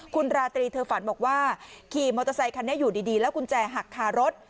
คุณราตรีเธอฝันบอกว่าขี่มอเตอร์ไซคันนี้อยู่ดีแล้วกุญแจหักคารถ